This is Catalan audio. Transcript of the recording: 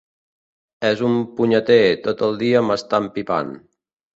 És un punyeter, tot el dia m'està empipant.